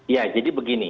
ya jadi begini